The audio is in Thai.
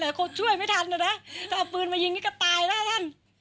แต่เขาช่วยไม่ทันนะถ้าเอาปืนมายิงนี่ก็ตายแล้วท่าน